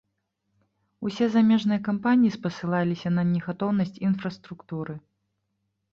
Усе замежныя кампаніі спасылаліся на негатоўнасць інфраструктуры.